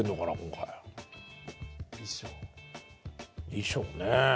衣装ね